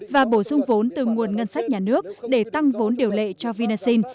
và bổ sung vốn từ nguồn ngân sách nhà nước để tăng vốn điều lệ cho vinasin